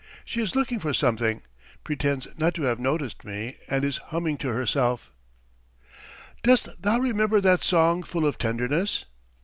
She is looking for something, pretends not to have noticed me, and is humming to herself: "Dost thou remember that song full of tenderness?"